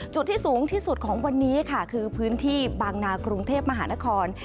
จุดที่สูงที่สุดของวันนี้ค่ะคือพื้นที่บางนากรุงเทพมหานคร